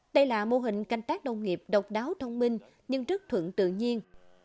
đây là mô hình canh tác đồng nghiệp độc đáo thông minh nhưng rất thượng tự nhiên